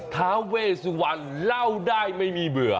ท้าเวสุวรรณเล่าได้ไม่มีเบื่อ